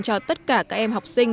cho tất cả các em học sinh